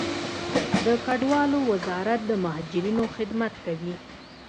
د کډوالو وزارت د مهاجرینو خدمت کوي